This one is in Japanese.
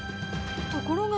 ところが。